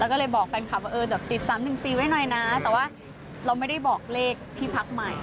แล้วก็เลยบอกแฟนคลับว่าเออแบบติด๓๑๔ไว้หน่อยนะแต่ว่าเราไม่ได้บอกเลขที่พักใหม่